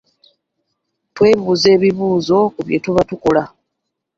Twebuuza ebibuuzo ku bye tuba tukola?